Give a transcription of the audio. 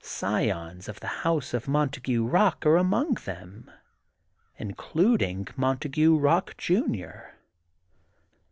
Scions of the house of Montague Bock are among them, in cluding Montague Bock, Junior.